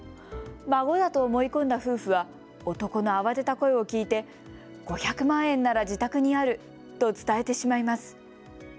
孫だと思い込んだ夫婦は、男の慌てた声を聞いて５００万円なら自宅にあると伝えてしまいます。